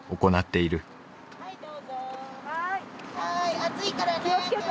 はい熱いからね